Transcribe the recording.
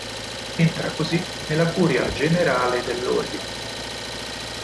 Entra così nella curia generale dell'Ordine.